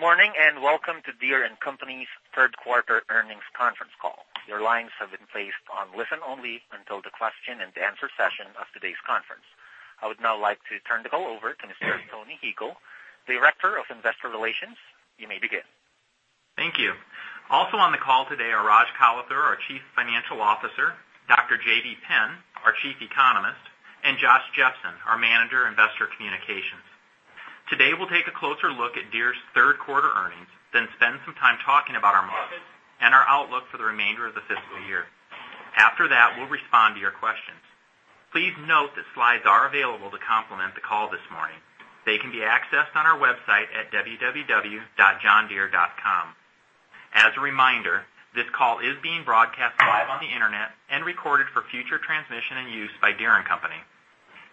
Good morning, and welcome to Deere & Company's third quarter earnings conference call. Your lines have been placed on listen only until the question and answer session of today's conference. I would now like to turn the call over to Mr. Tony Huegel, Director of Investor Relations. You may begin. Thank you. Also on the call today are Rajesh Kalathur, our Chief Financial Officer, Dr. J.B. Penn, our Chief Economist, and Josh Jepsen, our Manager, Investor Communications. Today, we'll take a closer look at Deere's third quarter earnings, then spend some time talking about our market and our outlook for the remainder of the fiscal year. After that, we'll respond to your questions. Please note that slides are available to complement the call this morning. They can be accessed on our website at www.johndeere.com. As a reminder, this call is being broadcast live on the Internet and recorded for future transmission and use by Deere & Company.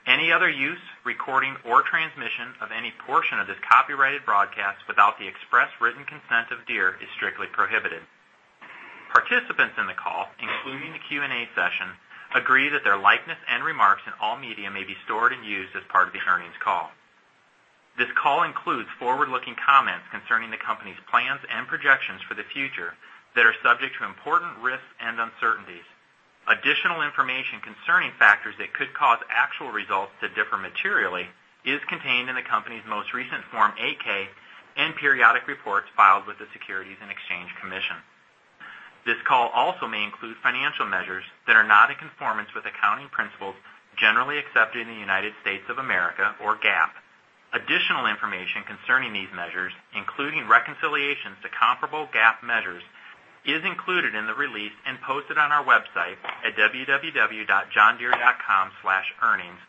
Any other use, recording, or transmission of any portion of this copyrighted broadcast without the express written consent of Deere is strictly prohibited. Participants in the call, including the Q&A session, agree that their likeness and remarks in all media may be stored and used as part of the earnings call. This call includes forward-looking comments concerning the company's plans and projections for the future that are subject to important risks and uncertainties. Additional information concerning factors that could cause actual results to differ materially is contained in the company's most recent Form 8-K and periodic reports filed with the Securities and Exchange Commission. This call also may include financial measures that are not in conformance with accounting principles generally accepted in the United States of America or GAAP. Additional information concerning these measures, including reconciliations to comparable GAAP measures, is included in the release and posted on our website at www.johndeere.com/earnings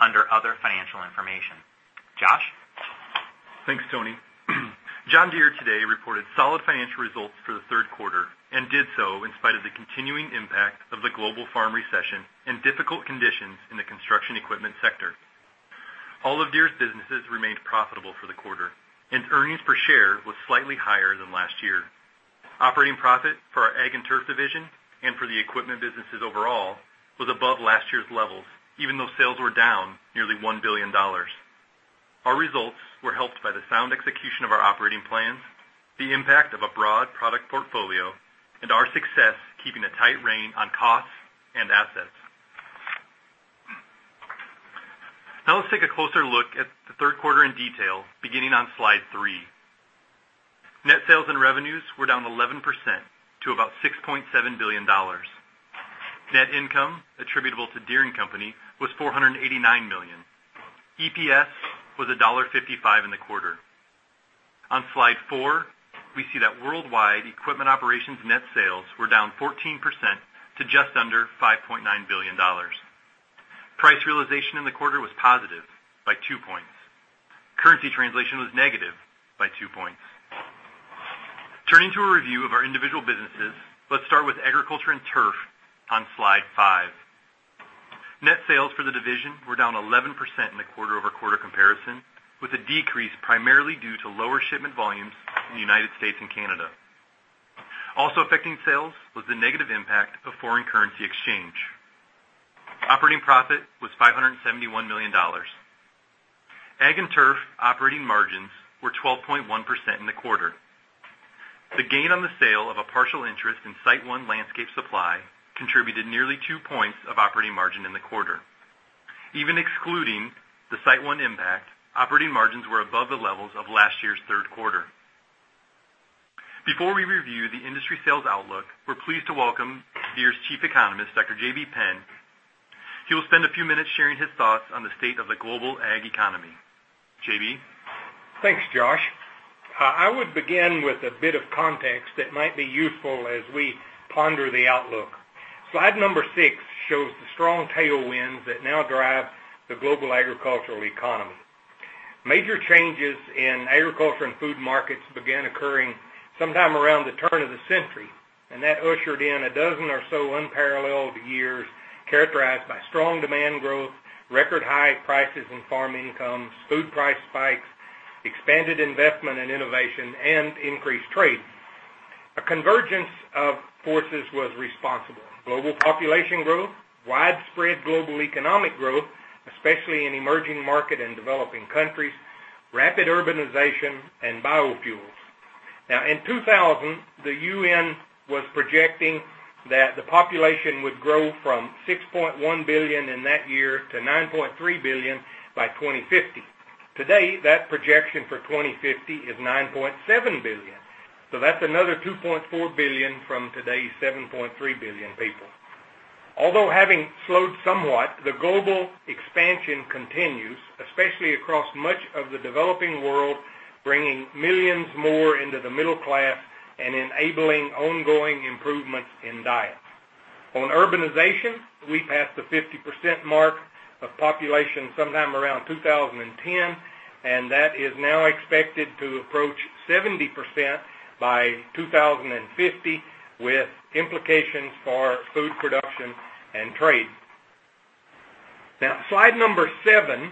under other financial information. Josh? Thanks, Tony. John Deere today reported solid financial results for the third quarter and did so in spite of the continuing impact of the global farm recession and difficult conditions in the construction equipment sector. All of Deere's businesses remained profitable for the quarter, and earnings per share was slightly higher than last year. Operating profit for our ag and turf division and for the equipment businesses overall was above last year's levels, even though sales were down nearly $1 billion. Our results were helped by the sound execution of our operating plans, the impact of a broad product portfolio, and our success keeping a tight rein on costs and assets. Now let's take a closer look at the third quarter in detail, beginning on slide three. Net sales and revenues were down 11% to about $6.7 billion. Net income attributable to Deere & Company was $489 million. EPS was $1.55 in the quarter. On slide four, we see that worldwide equipment operations net sales were down 14% to just under $5.9 billion. Price realization in the quarter was positive by two points. Currency translation was negative by two points. Turning to a review of our individual businesses, let's start with Agriculture and Turf on slide five. Net sales for the division were down 11% in the quarter-over-quarter comparison, with a decrease primarily due to lower shipment volumes in the U.S. and Canada. Also affecting sales was the negative impact of foreign currency exchange. Operating profit was $571 million. Ag and Turf operating margins were 12.1% in the quarter. The gain on the sale of a partial interest in SiteOne Landscape Supply contributed nearly two points of operating margin in the quarter. Even excluding the SiteOne impact, operating margins were above the levels of last year's third quarter. Before we review the industry sales outlook, we're pleased to welcome Deere's Chief Economist, Dr. J.B. Penn. He will spend a few minutes sharing his thoughts on the state of the global Ag economy. J.B.? Thanks, Josh. I would begin with a bit of context that might be useful as we ponder the outlook. Slide number six shows the strong tailwinds that now drive the global agricultural economy. Major changes in agriculture and food markets began occurring sometime around the turn of the century, that ushered in a dozen or so unparalleled years characterized by strong demand growth, record high prices and farm incomes, food price spikes, expanded investment and innovation, and increased trade. A convergence of forces was responsible. Global population growth, widespread global economic growth, especially in emerging market and developing countries, rapid urbanization, and biofuels. In 2000, the UN was projecting that the population would grow from 6.1 billion in that year to 9.3 billion by 2050. Today, that projection for 2050 is 9.7 billion. That's another 2.4 billion from today's 7.3 billion people. Although having slowed somewhat, the global expansion continues, especially across much of the developing world, bringing millions more into the middle class and enabling ongoing improvements in diet. On urbanization, we passed the 50% mark of population sometime around 2010, that is now expected to approach 70% by 2050, with implications for food production and trade. Slide number seven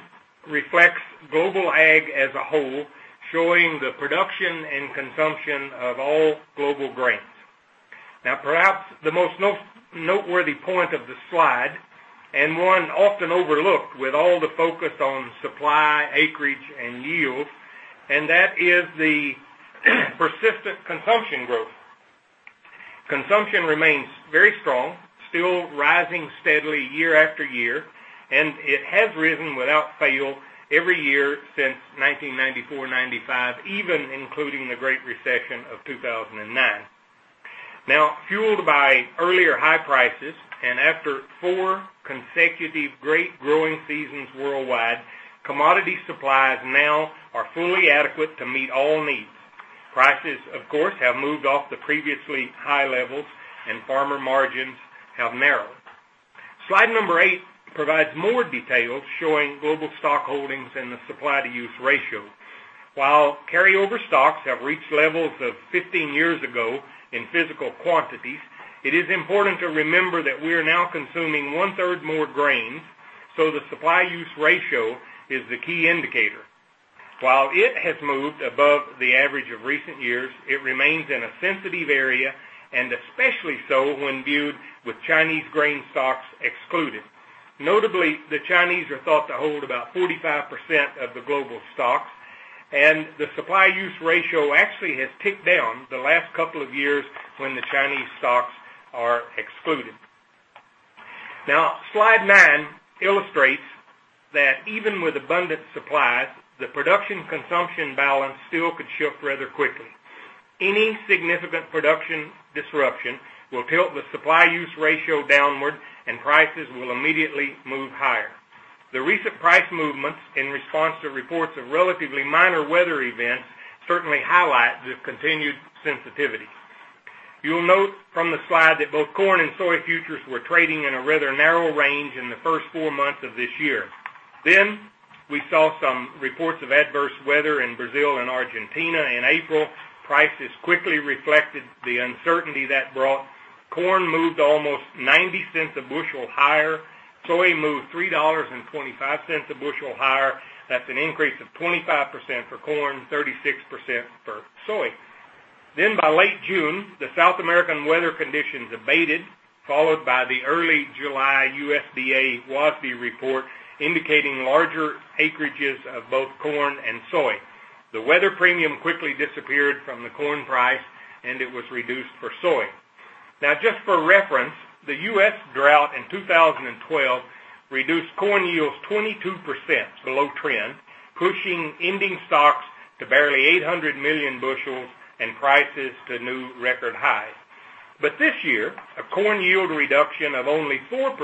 reflects global Ag as a whole, showing the production and consumption of all global grains. Perhaps the most noteworthy point of the slide, and one often overlooked with all the focus on supply, acreage, and yield, that is the persistent consumption growth. Consumption remains very strong, still rising steadily year after year, and it has risen without fail every year since 1994, 1995, even including the Great Recession of 2009. Fueled by earlier high prices, and after four consecutive great growing seasons worldwide, commodity supplies now are fully adequate to meet all needs. Prices, of course, have moved off the previously high levels and farmer margins have narrowed. Slide eight provides more details, showing global stock holdings and the supply to use ratio. While carryover stocks have reached levels of 15 years ago in physical quantities, it is important to remember that we are now consuming one third more grains, so the supply use ratio is the key indicator. While it has moved above the average of recent years, it remains in a sensitive area and especially so when viewed with Chinese grain stocks excluded. Notably, the Chinese are thought to hold about 45% of the global stocks, and the supply use ratio actually has ticked down the last couple of years when the Chinese stocks are excluded. Slide nine illustrates that even with abundant supplies, the production consumption balance still could shift rather quickly. Any significant production disruption will tilt the supply use ratio downward and prices will immediately move higher. The recent price movements in response to reports of relatively minor weather events certainly highlight the continued sensitivity. You'll note from the slide that both corn and soy futures were trading in a rather narrow range in the first four months of this year. We saw some reports of adverse weather in Brazil and Argentina in April. Prices quickly reflected the uncertainty that brought. Corn moved almost $0.90 a bushel higher. Soy moved $3.25 a bushel higher. That's an increase of 25% for corn, 36% for soy. By late June, the South American weather conditions abated, followed by the early July USDA WASDE report, indicating larger acreages of both corn and soy. The weather premium quickly disappeared from the corn price, and it was reduced for soy. Just for reference, the U.S. drought in 2012 reduced corn yields 22% below trend, pushing ending stocks to barely 800 million bushels and prices to new record highs. This year, a corn yield reduction of only 4%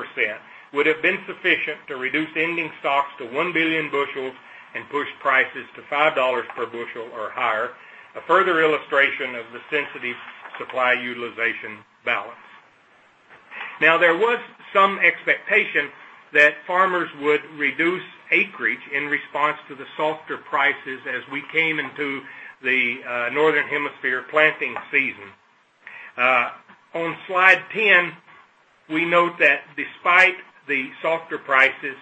would have been sufficient to reduce ending stocks to one billion bushels and push prices to $5 per bushel or higher. A further illustration of the sensitive supply utilization balance. There was some expectation that farmers would reduce acreage in response to the softer prices as we came into the northern hemisphere planting season. On slide 10, we note that despite the softer prices,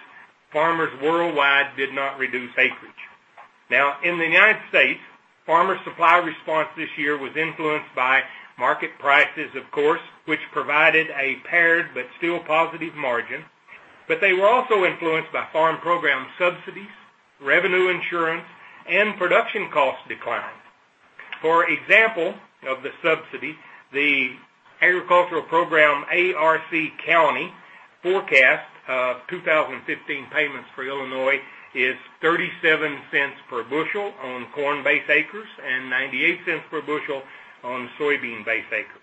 farmers worldwide did not reduce acreage. In the U.S., farmer supply response this year was influenced by market prices, of course, which provided a pared but still positive margin. They were also influenced by farm program subsidies, revenue insurance, and production cost declines. For example, of the subsidy, the agricultural program ARC-CO forecast of 2015 payments for Illinois is $0.37 per bushel on corn base acres and $0.98 per bushel on soybean base acres.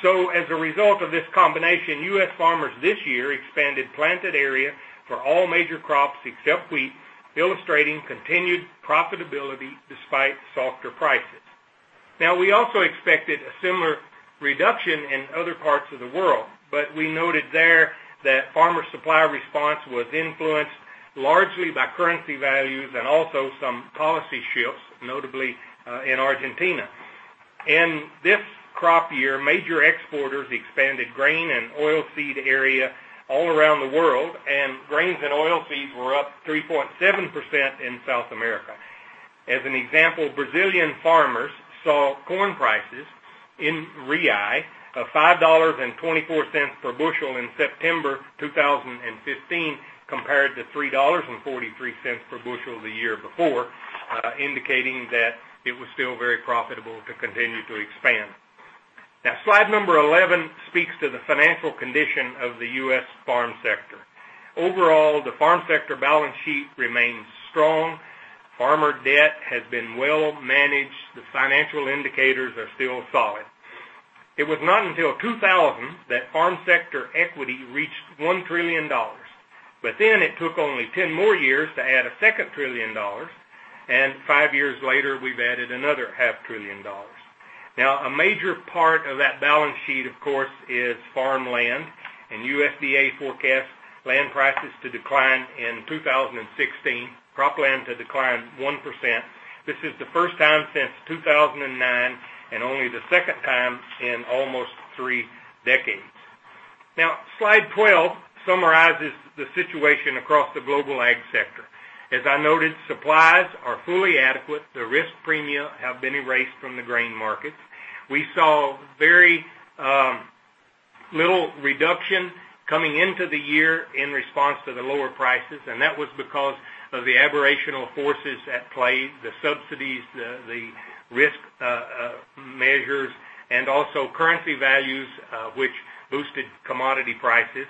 As a result of this combination, U.S. farmers this year expanded planted area for all major crops except wheat, illustrating continued profitability despite softer prices. We also expected a similar reduction in other parts of the world, but we noted there that farmer supply response was influenced largely by currency values and also some policy shifts, notably in Argentina. In this crop year, major exporters expanded grain and oil seed area all around the world. Grains and oil seeds were up 3.7% in South America. As an example, Brazilian farmers saw corn prices in reais of BRL 5.24 per bushel in September 2015, compared to BRL 3.43 per bushel the year before, indicating that it was still very profitable to continue to expand. Slide number 11 speaks to the financial condition of the U.S. farm sector. Overall, the farm sector balance sheet remains strong. Farmer debt has been well managed. The financial indicators are still solid. It was not until 2000 that farm sector equity reached $1 trillion. It took only 10 more years to add a second trillion dollars, and five years later, we've added another half trillion dollars. A major part of that balance sheet, of course, is farmland. USDA forecasts land prices to decline in 2016. Croplands have declined 1%. This is the first time since 2009, and only the second time in almost three decades. Slide 12 summarizes the situation across the global ag sector. As I noted, supplies are fully adequate. The risk premia have been erased from the grain markets. We saw very little reduction coming into the year in response to the lower prices, and that was because of the aberrational forces at play, the subsidies, the risk measures, and also currency values, which boosted commodity prices.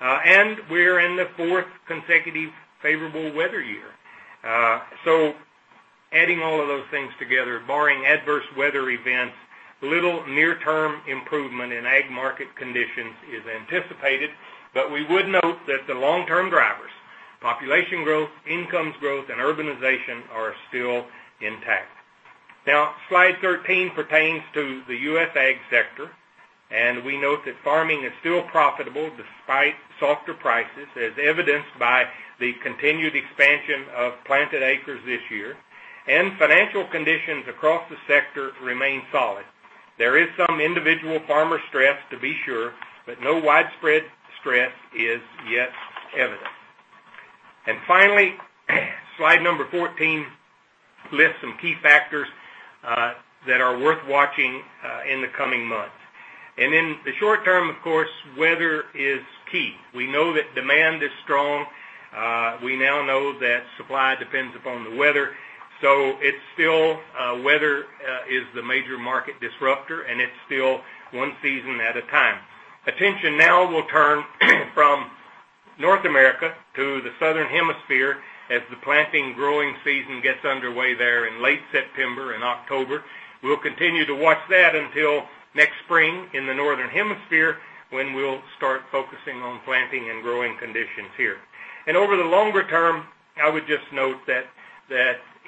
We're in the fourth consecutive favorable weather year. Adding all of those things together, barring adverse weather events, little near-term improvement in ag market conditions is anticipated. We would note that the long-term drivers, population growth, incomes growth, and urbanization are still intact. Slide 13 pertains to the U.S. ag sector. We note that farming is still profitable despite softer prices, as evidenced by the continued expansion of planted acres this year. Financial conditions across the sector remain solid. There is some individual farmer stress, to be sure, but no widespread stress is yet evident. Finally, slide number 14 lists some key factors that are worth watching in the coming months. In the short term, of course, weather is key. We know that demand is strong. We now know that supply depends upon the weather. Weather is the major market disruptor, and it's still one season at a time. Attention now will turn from North America to the Southern Hemisphere as the planting growing season gets underway there in late September and October. We'll continue to watch that until next spring in the Northern Hemisphere, when we'll start focusing on planting and growing conditions here. Over the longer term, I would just note that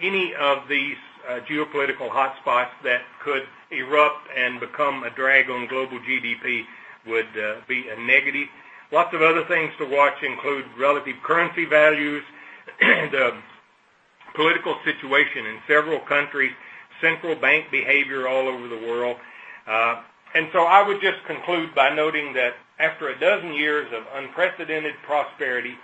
any of these geopolitical hotspots that could erupt and become a drag on global GDP would be a negative. Lots of other things to watch include relative currency values, the political situation in several countries, central bank behavior all over the world. I would just conclude by noting that after a dozen years of unprecedented prosperity,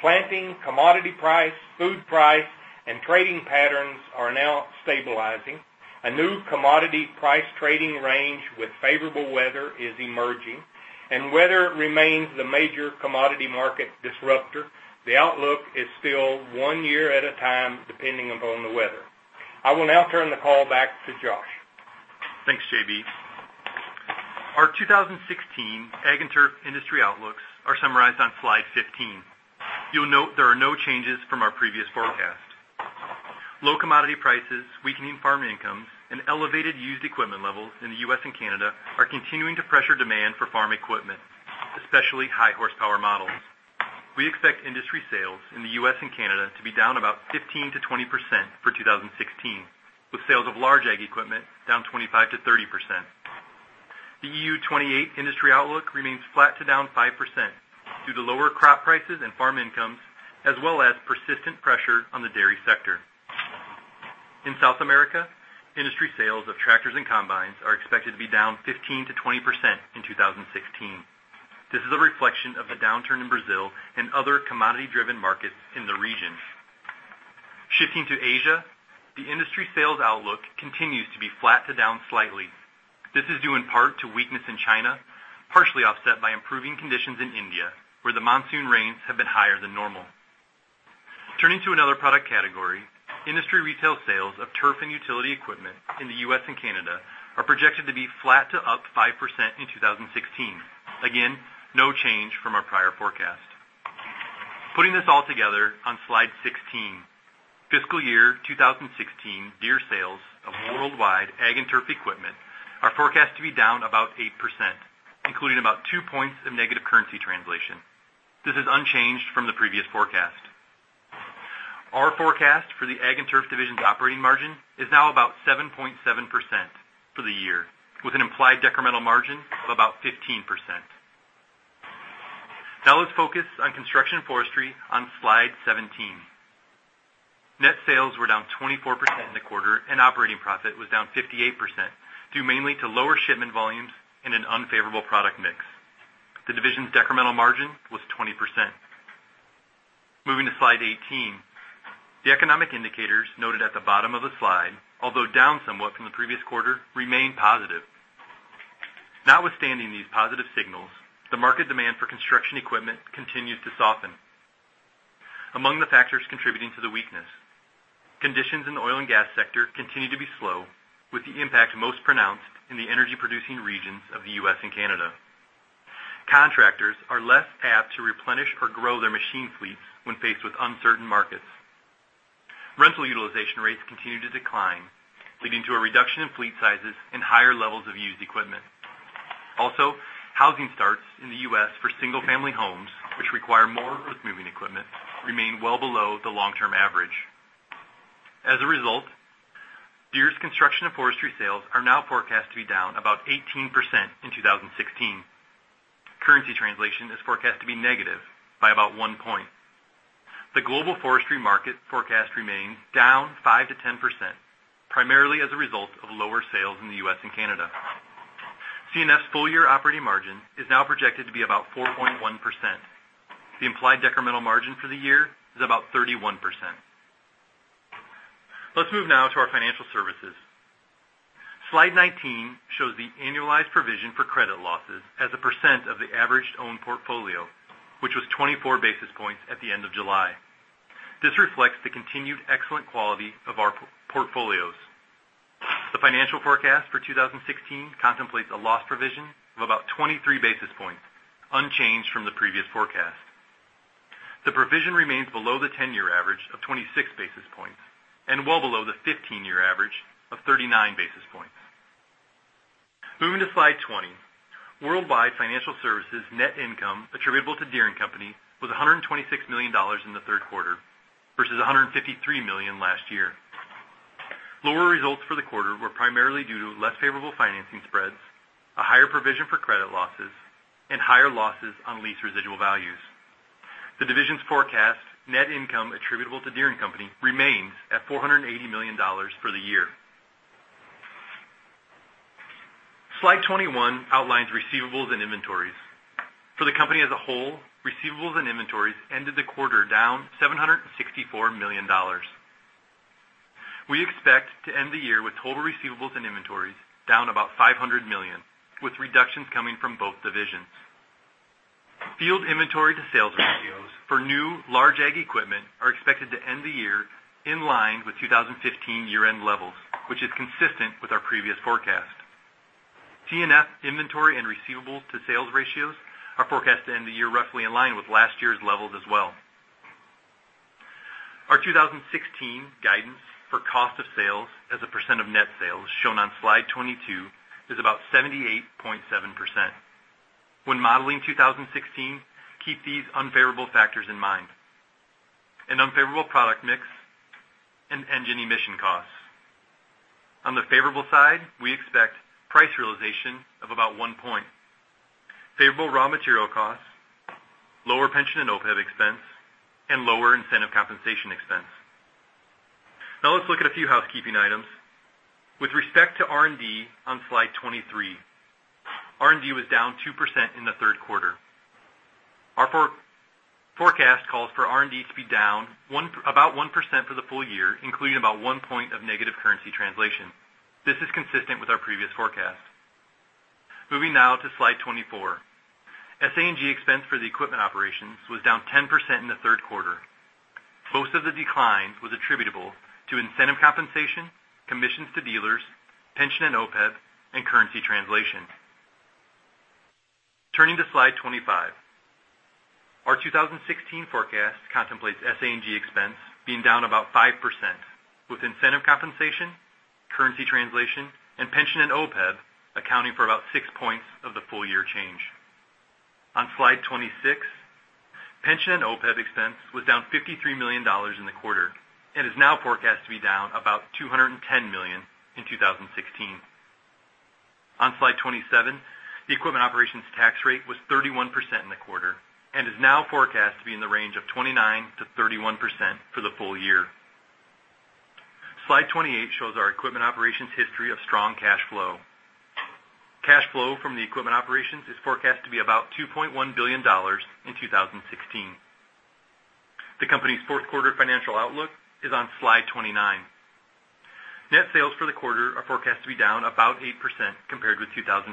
planting, commodity price, food price, and trading patterns are now stabilizing. A new commodity price trading range with favorable weather is emerging, and weather remains the major commodity market disruptor. The outlook is still one year at a time, depending upon the weather. I will now turn the call back to Josh. Thanks, J.B. Our 2016 Ag and Turf industry outlooks are summarized on slide 15. You'll note there are no changes from our previous forecast. Low commodity prices, weakening farm incomes, and elevated used equipment levels in the U.S. and Canada are continuing to pressure demand for farm equipment, especially high horsepower models. We expect industry sales in the U.S. and Canada to be down about 15%-20% for 2016, with sales of large ag equipment down 25%-30%. The EU 28 industry outlook remains flat to down 5% due to lower crop prices and farm incomes, as well as persistent pressure on the dairy sector. In South America, industry sales of tractors and combines are expected to be down 15%-20% in 2016. This is a reflection of the downturn in Brazil and other commodity-driven markets in the region. Shifting to Asia, the industry sales outlook continues to be flat to down slightly. This is due in part to weakness in China, partially offset by improving conditions in India, where the monsoon rains have been higher than normal. Turning to another product category, industry retail sales of turf and utility equipment in the U.S. and Canada are projected to be flat to up 5% in 2016. Again, no change from our prior forecast. Putting this all together on slide 16, FY 2016 Deere sales of worldwide Ag and Turf equipment are forecast to be down about 8%, including about two points of negative currency translation. This is unchanged from the previous forecast. Our forecast for the Ag and Turf division's operating margin is now about 7.7% for the year, with an implied decremental margin of about 15%. Now let's focus on Construction & Forestry on slide 17. Net sales were down 24% in the quarter, and operating profit was down 58%, due mainly to lower shipment volumes and an unfavorable product mix. The division's decremental margin was 20%. Moving to slide 18. The economic indicators noted at the bottom of the slide, although down somewhat from the previous quarter, remain positive. Notwithstanding these positive signals, the market demand for construction equipment continues to soften. Among the factors contributing to the weakness, conditions in the oil and gas sector continue to be slow, with the impact most pronounced in the energy-producing regions of the U.S. and Canada. Contractors are less apt to replenish or grow their machine fleets when faced with uncertain markets. Rental utilization rates continue to decline, leading to a reduction in fleet sizes and higher levels of used equipment. Housing starts in the U.S. for single-family homes, which require more earth-moving equipment, remain well below the long-term average. As a result, Deere's Construction & Forestry sales are now forecast to be down about 18% in 2016. Currency translation is forecast to be negative by about one point. The global forestry market forecast remains down 5%-10%, primarily as a result of lower sales in the U.S. and Canada. C&F's full year operating margin is now projected to be about 4.1%. The implied decremental margin for the year is about 31%. Let's move now to our financial services. Slide 19 shows the annualized provision for credit losses as a percent of the averaged owned portfolio, which was 24 basis points at the end of July. This reflects the continued excellent quality of our portfolios. The financial forecast for 2016 contemplates a loss provision of about 23 basis points, unchanged from the previous forecast. The provision remains below the 10-year average of 26 basis points, and well below the 15-year average of 39 basis points. Moving to Slide 20. Worldwide financial services net income attributable to Deere & Company was $126 million in the third quarter versus $153 million last year. Lower results for the quarter were primarily due to less favorable financing spreads, a higher provision for credit losses, and higher losses on lease residual values. The division's forecast, net income attributable to Deere & Company remains at $480 million for the year. Slide 21 outlines receivables and inventories. For the company as a whole, receivables and inventories ended the quarter down $764 million. We expect to end the year with total receivables and inventories down about $500 million, with reductions coming from both divisions. Field inventory to sales ratios for new large ag equipment are expected to end the year in line with 2015 year-end levels, which is consistent with our previous forecast. C&F inventory and receivable to sales ratios are forecast to end the year roughly in line with last year's levels as well. Our 2016 guidance for cost of sales as a percent of net sales, shown on Slide 22, is about 78.7%. When modeling 2016, keep these unfavorable factors in mind: an unfavorable product mix and engine emission costs. On the favorable side, we expect price realization of about one point, favorable raw material costs, lower pension and OPEB expense, and lower incentive compensation expense. Now let's look at a few housekeeping items. With respect to R&D on Slide 23, R&D was down 2% in the third quarter. Our forecast calls for R&D to be down about 1% for the full year, including about one point of negative currency translation. This is consistent with our previous forecast. Moving now to Slide 24. SA&G expense for the equipment operations was down 10% in the third quarter. Most of the decline was attributable to incentive compensation, commissions to dealers, pension and OPEB, and currency translation. Turning to Slide 25. Our 2016 forecast contemplates SA&G expense being down about 5%, with incentive compensation, currency translation, and pension and OPEB accounting for about six points of the full-year change. On Slide 26, pension and OPEB expense was down $53 million in the quarter and is now forecast to be down about $210 million in 2016. On Slide 27, the equipment operations tax rate was 31% in the quarter and is now forecast to be in the range of 29%-31% for the full year. Slide 28 shows our equipment operations history of strong cash flow. Cash flow from the equipment operations is forecast to be about $2.1 billion in 2016. The company's fourth quarter financial outlook is on Slide 29. Net sales for the quarter are forecast to be down about 8% compared with 2015.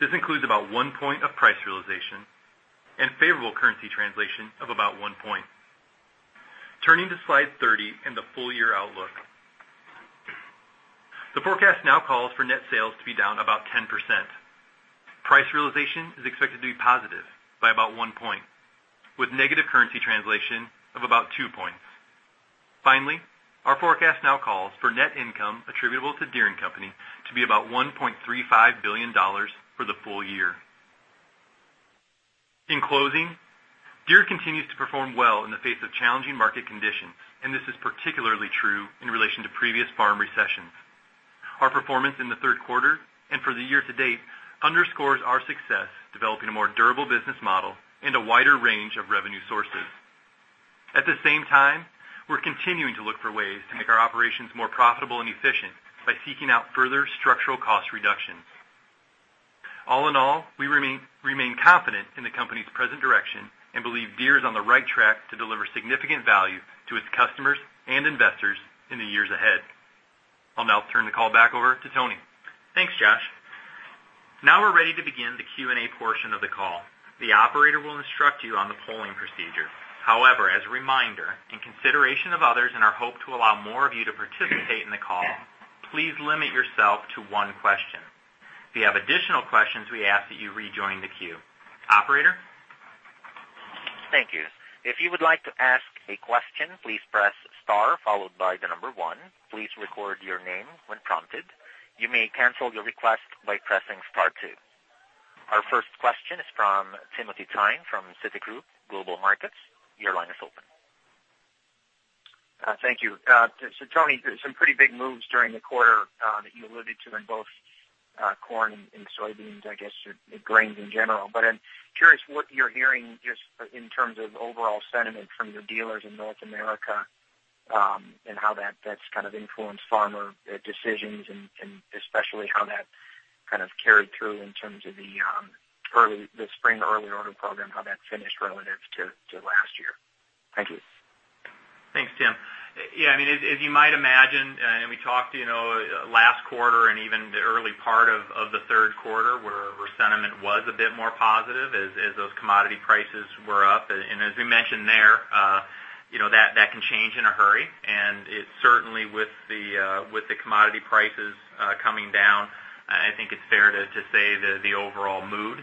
This includes about one point of price realization and favorable currency translation of about one point. Turning to Slide 30 and the full year outlook. The forecast now calls for net sales to be down about 10%. Price realization is expected to be positive by about one point, with negative currency translation of about two points. Our forecast now calls for net income attributable to Deere & Company to be about $1.35 billion for the full year. In closing, Deere continues to perform well in the face of challenging market conditions, this is particularly true in relation to previous farm recessions. Our performance in the third quarter and for the year to date underscores our success developing a more durable business model and a wider range of revenue sources. At the same time, we're continuing to look for ways to make our operations more profitable and efficient by seeking out further structural cost reductions. All in all, we remain confident in the company's present direction and believe Deere is on the right track to deliver significant value to its customers and investors in the years ahead. I'll now turn the call back over to Tony. Thanks, Josh. We're ready to begin the Q&A portion of the call. The operator will instruct you on the polling procedure. As a reminder, in consideration of others and our hope to allow more of you to participate in the call, please limit yourself to one question. If you have additional questions, we ask that you rejoin the queue. Operator? Thank you. If you would like to ask a question, please press star followed by the number one. Please record your name when prompted. You may cancel your request by pressing star two. Our first question is from Timothy Thein from Citigroup Global Markets. Your line is open. Thank you. Tony, some pretty big moves during the quarter that you alluded to in both corn and soybeans, I guess grains in general. I'm curious what you're hearing just in terms of overall sentiment from your dealers in North America and how that's kind of influenced farmer decisions and especially how that kind of carried through in terms of the spring early order program, how that finished relative to last year. Thank you. Thanks, Timothy. As you might imagine, we talked last quarter and even the early part of the third quarter where sentiment was a bit more positive as those commodity prices were up. As we mentioned there that can change in a hurry, and it certainly with the commodity prices coming down, I think it's fair to say that the overall mood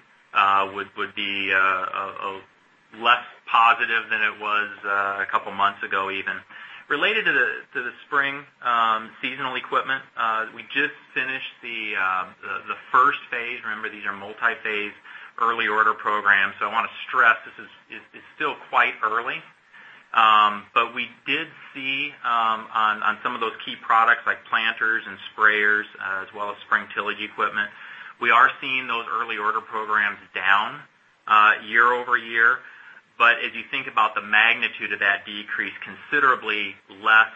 would be less positive than it was a couple of months ago even. Related to the spring seasonal equipment, we just finished the first phase. Remember, these are multi-phase early order programs. I want to stress this is still quite early. We did see on some of those key products like planters and sprayers, as well as spring tillage equipment. We are seeing those early order programs down year-over-year. As you think about the magnitude of that decrease, considerably less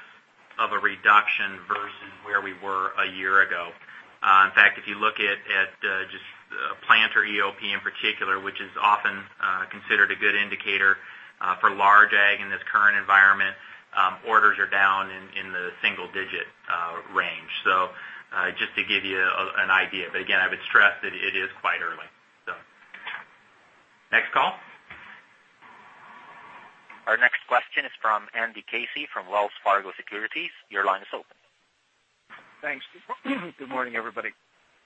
of a reduction versus where we were a year ago. In fact, if you look at just planter EOP in particular, which is often considered a good indicator for large ag in this current environment, orders are down in the single digit range. Just to give you an idea. Again, I would stress that it is quite early. Next call. Our next question is from Andy Casey from Wells Fargo Securities. Your line is open. Thanks. Good morning, everybody.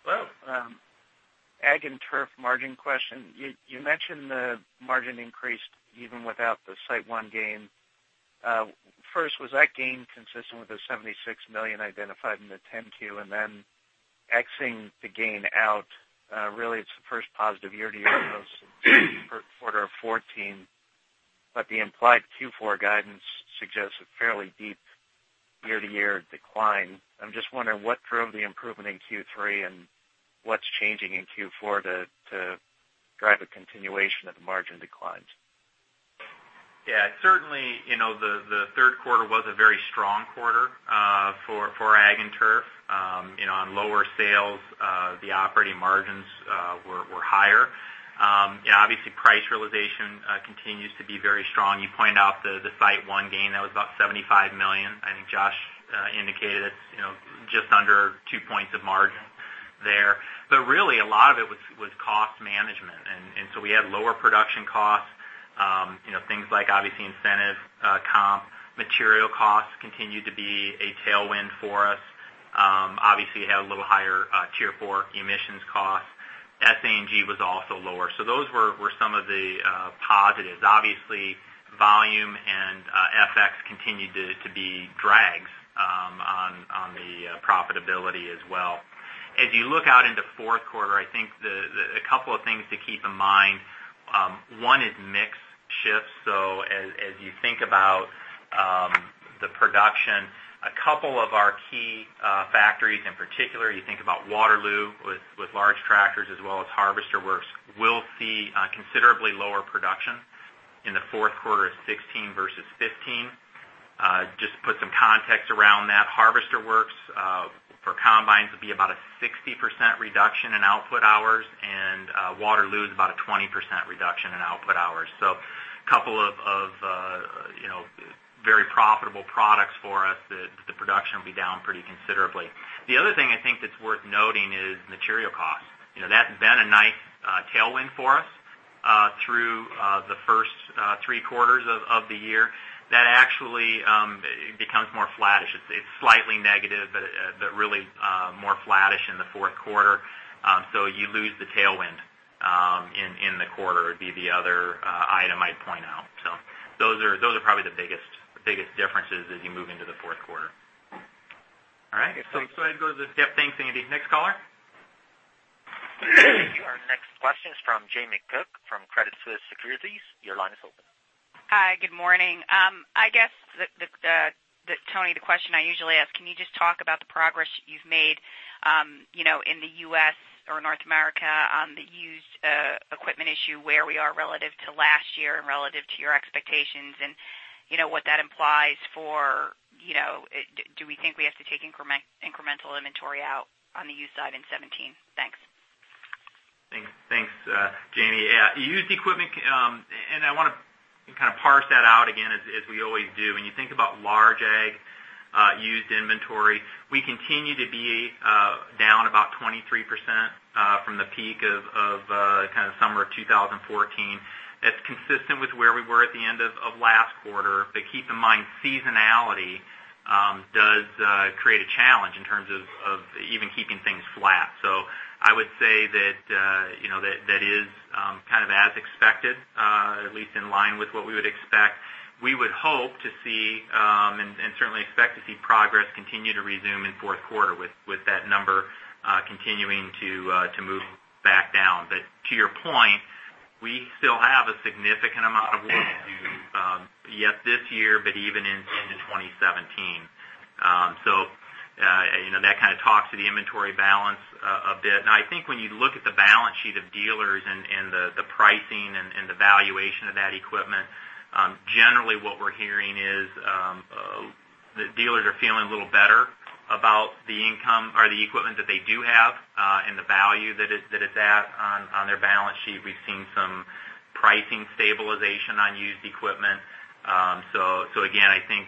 Hello. Ag and Turf margin question. You mentioned the margin increased even without the SiteOne gain. First, was that gain consistent with the $76 million identified in the 10-Q? Then exing the gain out really it's the first positive year-to-year since the first quarter of 2014, but the implied Q4 guidance suggests a fairly deep year-to-year decline. I'm just wondering what drove the improvement in Q3 and what's changing in Q4 to drive a continuation of the margin declines? Certainly, the third quarter was a very strong quarter for Ag and Turf. On lower sales the operating margins were higher. Obviously, price realization continues to be very strong. You pointed out the SiteOne gain, that was about $75 million. I think Josh indicated it's just under 2 points of margin there. Really a lot of it was cost management. We had lower production costs things like obviously incentive comp, material costs continued to be a tailwind for us. Obviously had a little higher Tier 4 emissions cost. SA&G was also lower. Those were some of the positives. Obviously, volume and FX continued to be drags on the profitability as well. As you look out into fourth quarter, I think a couple of things to keep in mind. One is mix shifts. As you think about the production, a couple of our key factories in particular, you think about Waterloo with large tractors as well as Harvester Works, will see considerably lower production in the fourth quarter of 2016 versus 2015. Just to put some context around that, Harvester Works for combines would be about a 60% reduction in output hours and Waterloo is about a 20% reduction in output hours. A couple of very profitable products for us that the production will be down pretty considerably. The other thing I think that's worth noting is material costs. That's been a nice tailwind for us through the first three quarters of the year. That actually becomes more flattish. It's slightly negative but really more flattish in the fourth quarter. You lose the tailwind in the quarter would be the other item I'd point out. Those are probably the biggest differences as you move into the fourth quarter. All right. Thanks. Let's go ahead and go to the yep, thanks, Andy. Next caller. Our next question is from Jamie Cook from Credit Suisse Securities. Your line is open. Hi, good morning. I guess, Tony, the question I usually ask, can you just talk about the progress you've made in the U.S. or North America on the used equipment issue where we are relative to last year and relative to your expectations, and what that implies for do we think we have to take incremental inventory out on the used side in 2017? Thanks. Thanks. Jamie. I want to kind of parse that out again as we always do. When you think about large ag used inventory, we continue to be down about 23% from the peak of kind of summer of 2014. That's consistent with where we were at the end of last quarter. Keep in mind, seasonality does create a challenge in terms of even keeping things flat. I would say that is kind of as expected, at least in line with what we would expect. We would hope to see and certainly expect to see progress continue to resume in fourth quarter with that number continuing to move back down. To your point, we still have a significant amount of work to do yet this year, but even into 2017. That kind of talks to the inventory balance a bit. I think when you look at the balance sheet of dealers and the pricing and the valuation of that equipment, generally what we're hearing is that dealers are feeling a little better about the income or the equipment that they do have and the value that it's at on their balance sheet. We've seen some pricing stabilization on used equipment. Again, I think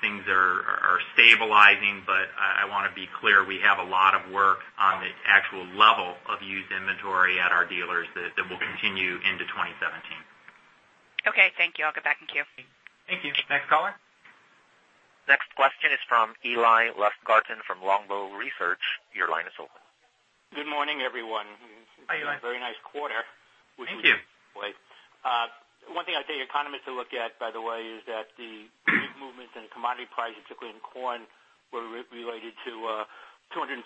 things are stabilizing, but I want to be clear, we have a lot of work on the actual level of used inventory at our dealers that will continue into 2017. Okay, thank you. I'll get back in queue. Thank you. Next caller. Next question is from Eli Lustgarten from Longbow Research. Your line is open. Good morning, everyone. Hi, Eli. Very nice quarter. Thank you. One thing I'd say economists will look at, by the way, is that the big movements in commodity prices, particularly in corn, were related to 252,000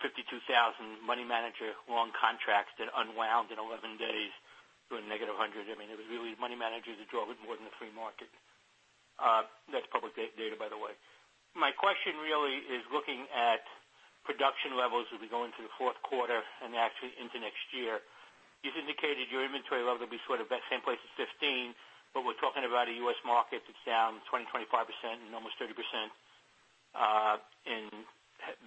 money manager long contracts that unwound in 11 days to a -100. It was really money managers that drove it more than the free market. That's public data, by the way. My question really is looking at production levels as we go into the fourth quarter and actually into next year. You've indicated your inventory level will be sort of that same place as 2015, but we're talking about a U.S. market that's down 20%-25% and almost 30% in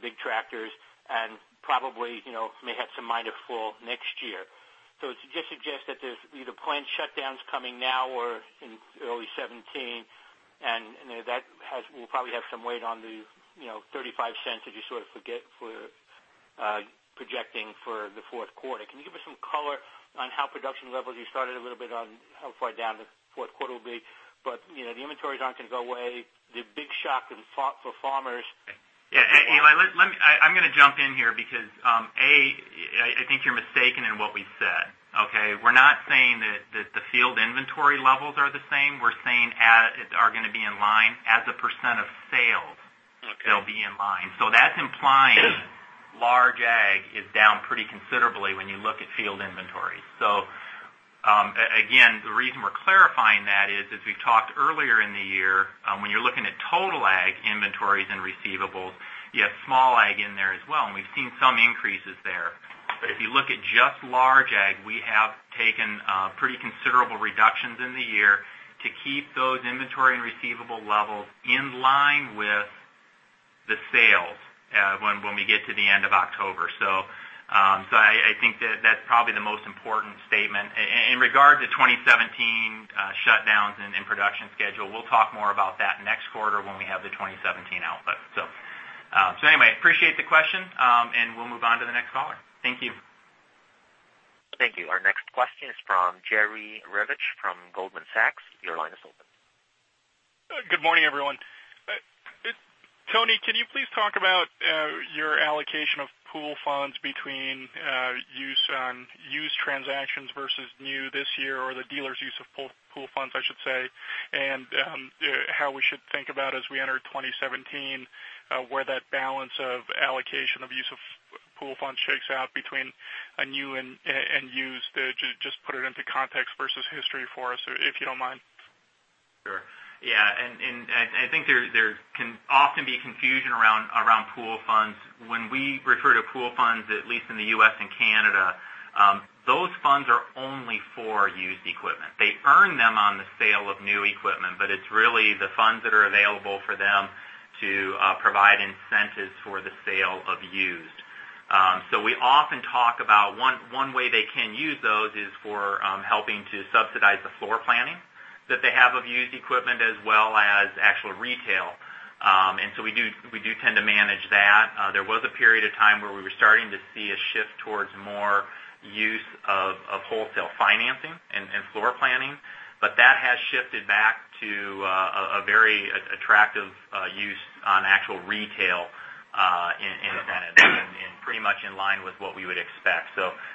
big tractors and probably may have some more to fall next year. It just suggests that there's either plant shutdowns coming now or in early 2017, and that will probably have some weight on the $0.35 that you sort of projecting for the fourth quarter. Can you give us some color on how production levels, you started a little bit on how far down the fourth quarter will be, but the inventories aren't going to go away. Yeah. Eli, I'm going to jump in here because, A, I think you're mistaken in what we said. Okay? We're not saying that the field inventory levels are the same. We're saying are going to be in line as a % of sales. Okay. They'll be in line. That's implying large ag is down pretty considerably when you look at field inventories. Again, the reason we're clarifying that is, as we talked earlier in the year, when you're looking at total ag inventories and receivables, you have small ag in there as well, and we've seen some increases there. If you look at just large ag, we have taken pretty considerable reductions in the year to keep those inventory and receivable levels in line with the sales when we get to the end of October. I think that's probably the most important statement. In regard to 2017 shutdowns and production schedule, we'll talk more about that next quarter when we have the 2017 outlook. Anyway, appreciate the question, and we'll move on to the next caller. Thank you. Thank you. Our next question is from Jerry Revich from Goldman Sachs. Your line is open. Good morning, everyone. Tony, can you please talk about your allocation of pool funds between used transactions versus new this year, or the dealers' use of pool funds, I should say, and how we should think about as we enter 2017, where that balance of allocation of use of pool funds shakes out between new and used? Just put it into context versus history for us, if you don't mind. Sure. Yeah. I think there can often be confusion around pool funds. When we refer to pool funds, at least in the U.S. and Canada, those funds are only for used equipment. They earn them on the sale of new equipment, but it's really the funds that are available for them to provide incentives for the sale of used. We often talk about one way they can use those is for helping to subsidize the floor planning that they have of used equipment as well as actual retail. We do tend to manage that. There was a period of time where we were starting to see a shift towards more use of wholesale financing and floor planning, but that has shifted back to a very attractive use on actual retail in Canada and pretty much in line with what we would expect.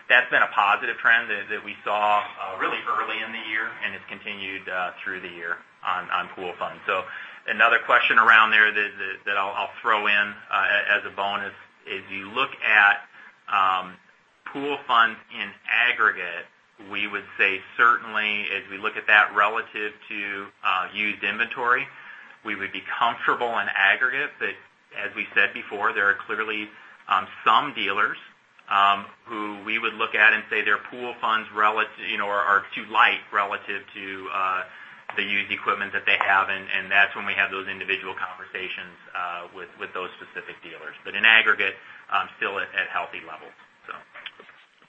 That's been a positive trend that we saw really early in the year, and it's continued through the year on pool funds. Another question around there that I'll throw in as a bonus is, if you look at pool funds in aggregate, we would say certainly as we look at that relative to used inventory, we would be comfortable in aggregate. As we said before, there are clearly some dealers who we would look at and say their pool funds are too light relative to the used equipment that they have, and that's when we have those individual conversations with those specific dealers. In aggregate, still at healthy levels.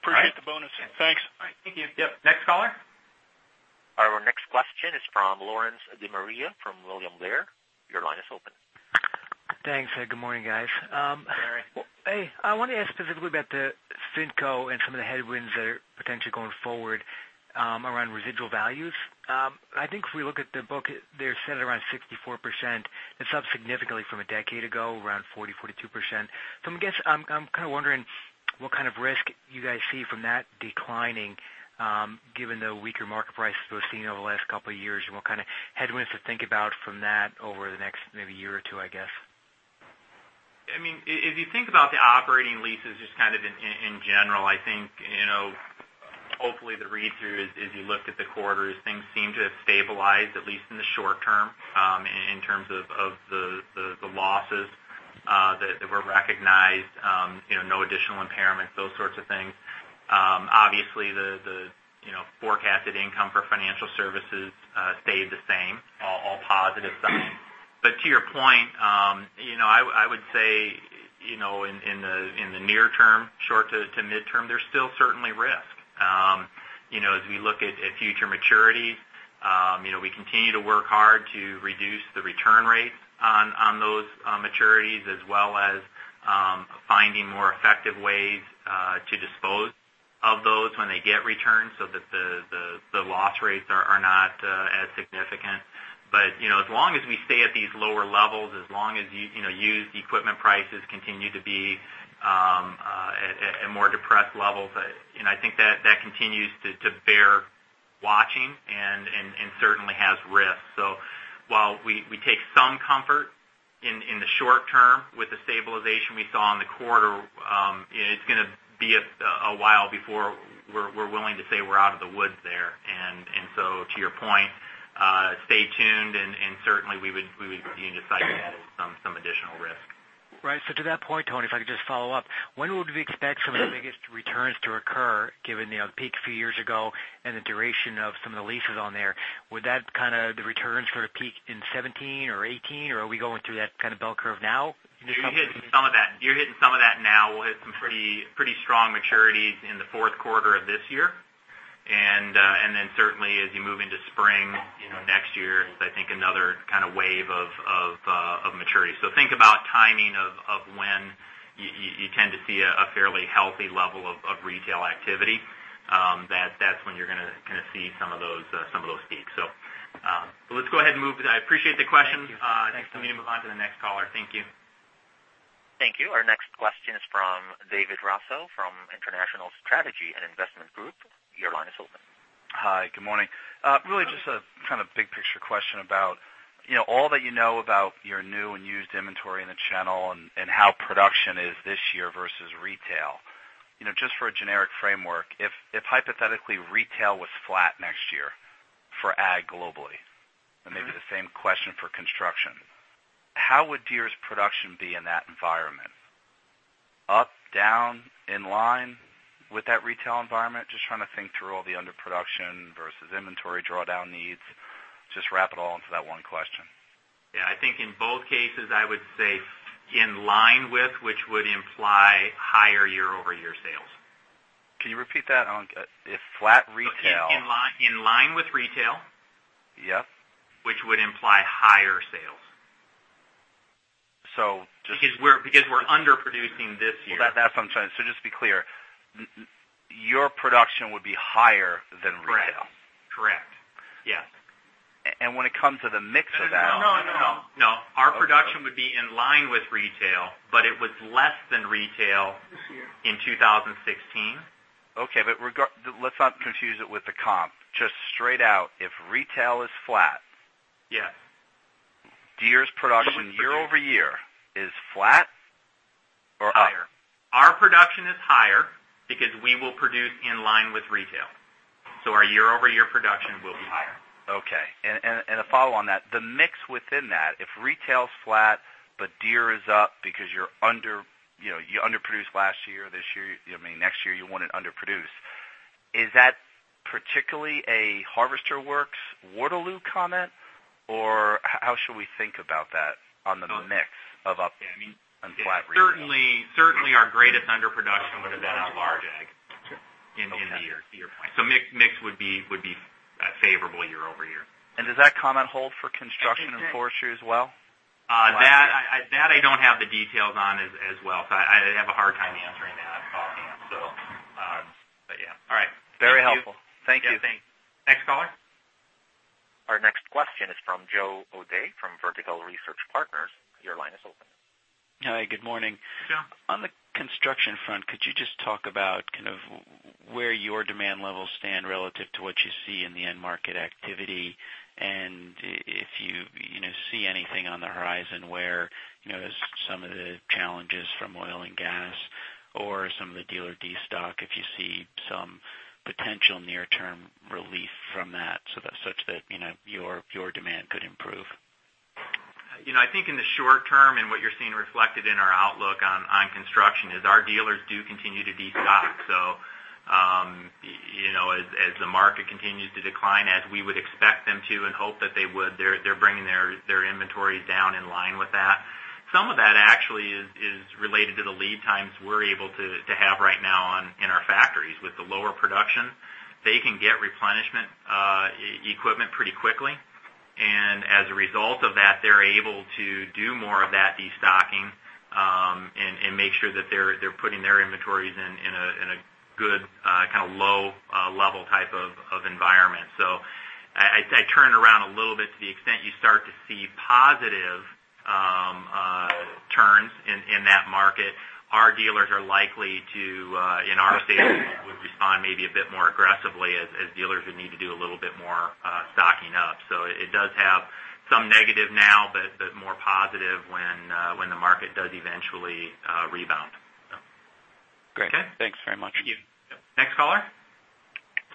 Appreciate the bonus. Thanks. All right. Thank you. Yep. Next caller. Our next question is from Lawrence De Maria from William Blair. Your line is open. Thanks. Good morning, guys. Larry. Hey, I want to ask specifically about the FinCo and some of the headwinds that are potentially going forward around residual values. I think if we look at the book, they're set around 64%. It's up significantly from a decade ago, around 40%-42%. I guess I'm kind of wondering what kind of risk you guys see from that declining given the weaker market prices we've seen over the last couple of years and what kind of headwinds to think about from that over the next maybe year or two, I guess. If you think about the operating leases just kind of in general, I think, hopefully the read-through, as you looked at the quarters, things seem to have stabilized at least in the short term, in terms of the losses that were recognized, no additional impairments, those sorts of things. Obviously, the forecasted income for financial services stayed the same, all positive signs. To your point, I would say in the near term, short to midterm, there's still certainly risk. As we look at future maturities, we continue to work hard to reduce the return rates on those maturities, as well as finding more effective ways to dispose of those when they get returned so that the loss rates are not as significant. As long as we stay at these lower levels, as long as used equipment prices continue to be at more depressed levels, I think that continues to bear watching and certainly has risks. While we take some comfort in the short term with the stabilization we saw in the quarter, it's going to be a while before we're willing to say we're out of the woods there. To your point, stay tuned and certainly we would be deciding some additional risk. Right. To that point, Tony, if I could just follow up, when would we expect some of the biggest returns to occur given the peak a few years ago and the duration of some of the leases on there? Would that kind of the returns sort of peak in 2017 or 2018? Are we going through that kind of bell curve now? You're hitting some of that now. We'll hit some pretty strong maturities in the fourth quarter of this year. Certainly as you move into spring next year is I think another kind of wave of maturity. Think about timing of when you tend to see a fairly healthy level of retail activity. That's when you're gonna see some of those peaks. Let's go ahead and move. I appreciate the question. Thank you. I think we can move on to the next caller. Thank you. Thank you. Our next question is from David Raso from International Strategy and Investment Group. Your line is open. Hi, good morning. Really just a kind of big picture question about all that you know about your new and used inventory in the channel and how production is this year versus retail. Just for a generic framework, if hypothetically retail was flat next year for ag globally, and maybe the same question for construction, how would Deere's production be in that environment? Up, down, in line with that retail environment? Just trying to think through all the underproduction versus inventory drawdown needs. Just wrap it all into that one question. Yeah, I think in both cases, I would say in line with which would imply higher year-over-year sales. Can you repeat that? If flat retail- In line with retail. Yes. Which would imply higher sales. So just- Because we're underproducing this year. That's what I'm trying. Just to be clear, your production would be higher than retail? Correct. Yes. When it comes to the mix of that- No, no, no. Our production would be in line with retail, but it was less than retail in 2016. Okay, let's not confuse it with the comp. Just straight out, if retail is flat. Yes Deere's production year-over-year is flat or up? Higher. Our production is higher because we will produce in line with retail. Our year-over-year production will be higher. Okay. A follow on that, the mix within that, if retail's flat but Deere is up because you underproduced last year, this year, I mean, next year you want to underproduce. Is that particularly a Harvester Works Waterloo comment, or how should we think about that on the mix of up and flat retail? Certainly our greatest underproduction would've been on large ag in the year, to your point. Mix would be favorable year-over-year. Does that comment hold for Construction & Forestry as well? That I don't have the details on as well, so I have a hard time answering that offhand. But yeah. All right. Very helpful. Thank you. Yeah, thanks. Next caller? Our next question is from Joe O'Dea from Vertical Research Partners. Your line is open. Hi, good morning. Joe. On the construction front, could you just talk about kind of where your demand levels stand relative to what you see in the end market activity? If you see anything on the horizon where, as some of the challenges from oil and gas or some of the dealer destock, if you see some potential near-term relief from that such that your demand could improve. I think in the short term and what you're seeing reflected in our outlook on construction is our dealers do continue to destock so as the market continues to decline, as we would expect them to and hope that they would, they're bringing their inventory down in line with that. Some of that actually is related to the lead times we're able to have right now in our factories. With the lower production, they can get replenishment equipment pretty quickly. As a result of that, they're able to do more of that destocking and make sure that they're putting their inventories in a good kind of low level type of environment. I turn it around a little bit to the extent you start to see positive turns in that market. Our dealers are likely to, in our estimation, would respond maybe a bit more aggressively as dealers would need to do a little bit more stocking up. It does have some negative now, but more positive when the market does eventually rebound. Great. Okay? Thanks very much. Thank you. Next caller.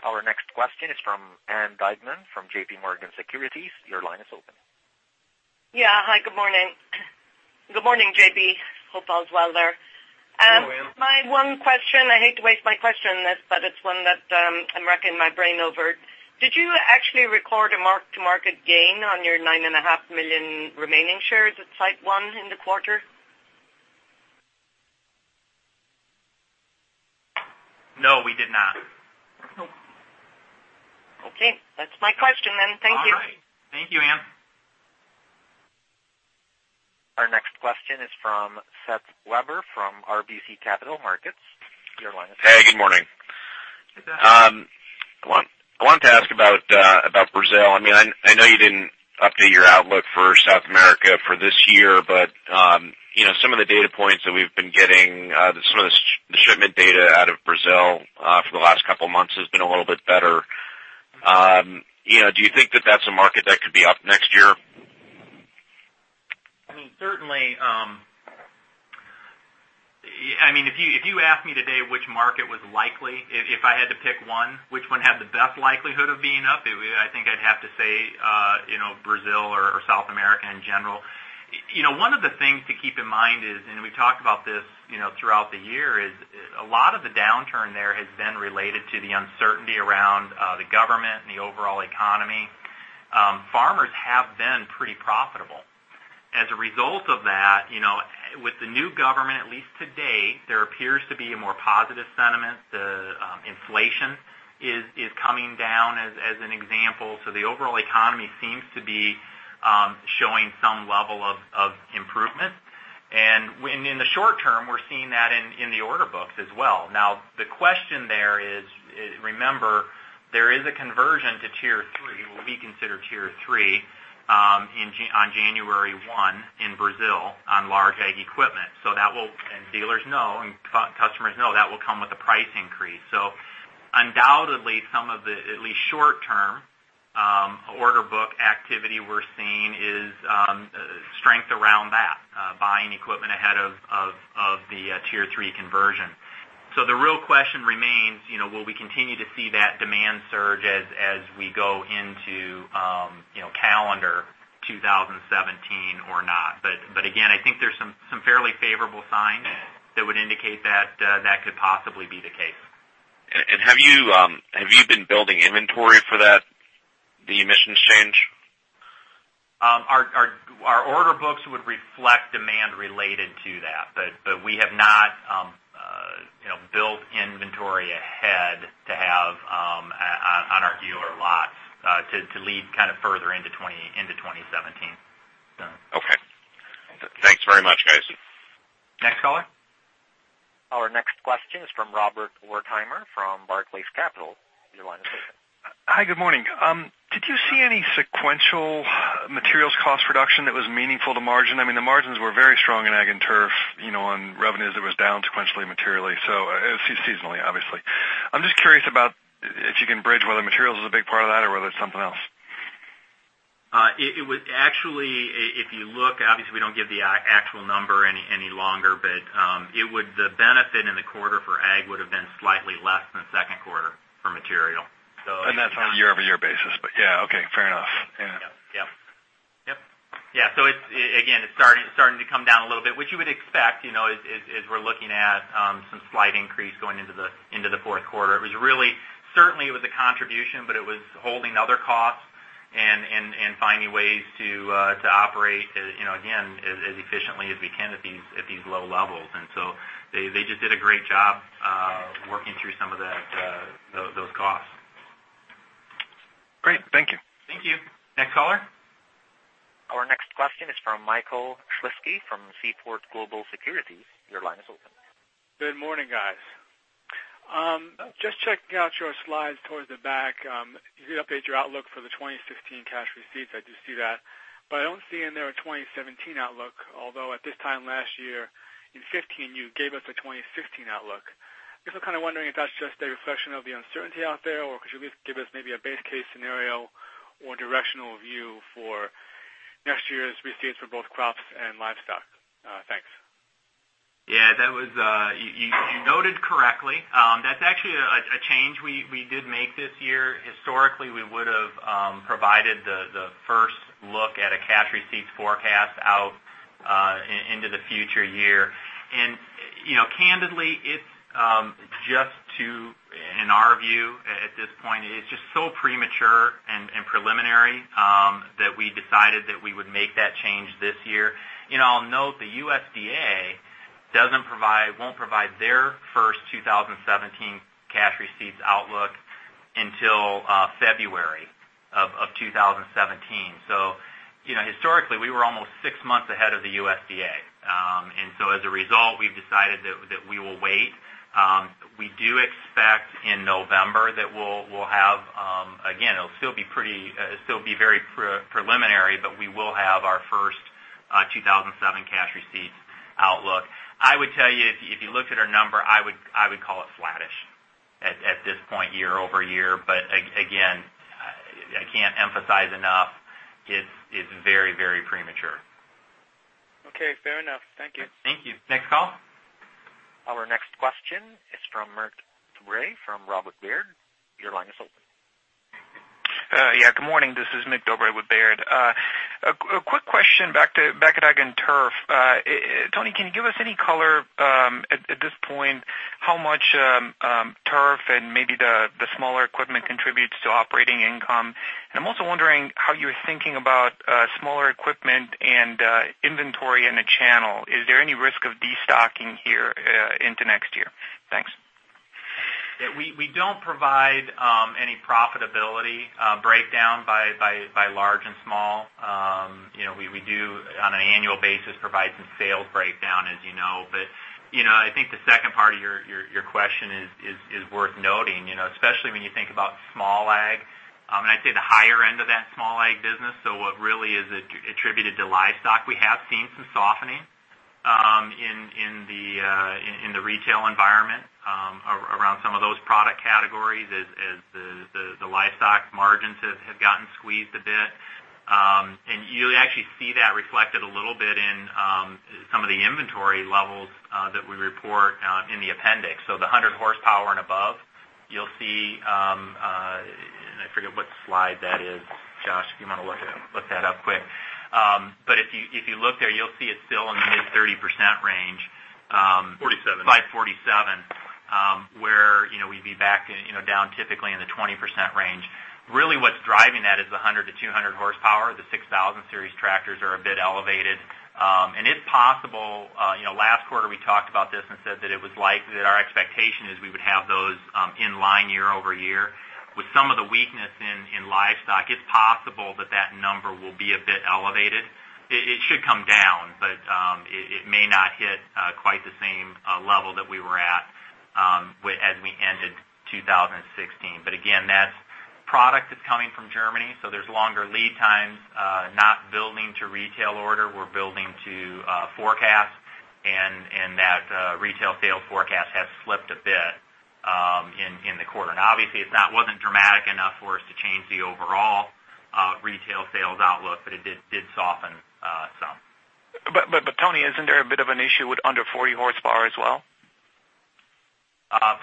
Our next question is from Ann Duignan from J.P. Morgan Securities. Your line is open. Yeah. Hi, good morning. Good morning, JP. Hope all is well there. Good morning. My one question, I hate to waste my question on this, but it's one that I'm racking my brain over. Did you actually record a mark-to-market gain on your nine and a half million remaining shares at SiteOne in the quarter? No, we did not. Okay. That's my question then. Thank you. All right. Thank you, Ann. Our next question is from Seth Weber from RBC Capital Markets. Your line is open. Hey, good morning. Good morning. I wanted to ask about Brazil. I know you didn't update your outlook for South America for this year, but some of the data points that we've been getting, some of the shipment data out of Brazil for the last couple of months has been a little bit better. Do you think that that's a market that could be up next year? Certainly. If you asked me today which market was likely, if I had to pick one, which one had the best likelihood of being up, I think I'd have to say Brazil or South America in general. One of the things to keep in mind is, and we talked about this throughout the year, is a lot of the downturn there has been related to the uncertainty around the government and the overall economy. Farmers have been pretty profitable. As a result of that, with the new government, at least to date, there appears to be a more positive sentiment. The inflation is coming down, as an example. The overall economy seems to be showing some level of improvement. In the short term, we're seeing that in the order books as well. The question there is, remember, there is a conversion to Tier 3, what we consider Tier 3, on January 1 in Brazil on large ag equipment. Dealers know and customers know that will come with a price increase. Undoubtedly, some of the, at least short term, order book activity we're seeing is strength around that, buying equipment ahead of the Tier 3 conversion. The real question remains, will we continue to see that demand surge as we go into calendar 2017 or not? Again, I think there's some fairly favorable signs that would indicate that that could possibly be the case. Have you been building inventory for the emissions change? Our order books would reflect demand related to that, but we have not built inventory ahead to have on our dealer lots to lead kind of further into 2017. Okay. Thanks very much, guys. Next caller. Our next question is from Robert Ortmeier from Barclays Capital. Your line is open. Hi, good morning. Did you see any sequential materials cost reduction that was meaningful to margin? I mean, the margins were very strong in ag and turf on revenues that was down sequentially, materially. Seasonally, obviously. I'm just curious about if you can bridge whether materials is a big part of that or whether it's something else. Actually, if you look, obviously, we don't give the actual number any longer, but the benefit in the quarter for ag would have been slightly less than second quarter for material. That's on a year-over-year basis. Yeah, okay. Fair enough. Yep. Again, it's starting to come down a little bit, which you would expect as we're looking at some slight increase going into the fourth quarter. It was a contribution, but it was holding other costs and finding ways to operate, again, as efficiently as we can at these low levels. They just did a great job working through some of those costs. Great. Thank you. Thank you. Next caller. Our next question is from Michael Shlisky from Seaport Global Securities. Your line is open. Good morning, guys. Just checking out your slides towards the back. You did update your outlook for the 2015 cash receipts. I do see that. I don't see in there a 2017 outlook, although at this time last year, in 2015, you gave us a 2015 outlook. Just wondering if that's just a reflection of the uncertainty out there, or could you give us maybe a base case scenario or directional view for next year's receipts for both crops and livestock? Thanks. Yeah. You noted correctly. That's actually a change we did make this year. Historically, we would have provided the first look at a cash receipts forecast out into the future year. Candidly, in our view at this point, it's just so premature and preliminary that we decided that we would make that change this year. I'll note, the USDA won't provide their first 2017 cash receipts outlook until February of 2017. Historically, we were almost six months ahead of the USDA. As a result, we've decided that we will wait. We do expect in November that we'll have, again, it'll still be very preliminary, but we will have our first 2017 cash receipts outlook. I would tell you, if you looked at our number At this point, year-over-year. Again, I can't emphasize enough, it's very premature. Okay, fair enough. Thank you. Thank you. Next call. Our next question is from Mircea Dobre from Robert W. Baird. Your line is open. Good morning. This is Mircea Dobre with Baird. A quick question back to Ag and Turf. Tony, can you give us any color at this point, how much Turf and maybe the smaller equipment contributes to operating income? I'm also wondering how you're thinking about smaller equipment and inventory in the channel. Is there any risk of destocking here into next year? Thanks. We don't provide any profitability breakdown by large and small. We do, on an annual basis, provide some sales breakdown, as you know. I think the second part of your question is worth noting. Especially when you think about small Ag, and I'd say the higher end of that small Ag business. What really is attributed to livestock, we have seen some softening in the retail environment around some of those product categories as the livestock margins have gotten squeezed a bit. You actually see that reflected a little bit in some of the inventory levels that we report in the appendix. The 100 horsepower and above, you'll see, and I forget what slide that is. Josh, if you want to look that up quick. If you look there, you'll see it's still in the mid 30% range. 47. Slide 47. We'd be back down typically in the 20% range. What's driving that is 100 to 200 horsepower. The 6000 Series tractors are a bit elevated. It's possible, last quarter we talked about this and said that our expectation is we would have those in line year-over-year. With some of the weakness in livestock, it's possible that that number will be a bit elevated. It should come down, but it may not hit quite the same level that we were at as we ended 2016. Again, that product is coming from Germany, so there's longer lead times. Not building to retail order, we're building to forecast. That retail sales forecast has slipped a bit in the quarter. Obviously it wasn't dramatic enough for us to change the overall retail sales outlook, but it did soften some. Tony, isn't there a bit of an issue with under 40 horsepower as well?